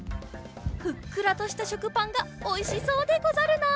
ふっくらとしたしょくパンがおいしそうでござるな。